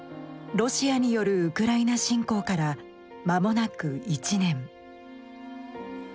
ロシアによるウクライナ侵攻から間もなく１年。